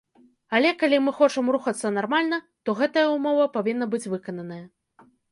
Але калі мы хочам рухацца нармальна, то гэтая ўмова павінна быць выкананая.